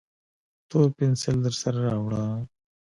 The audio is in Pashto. تور پینسیل درسره راوړه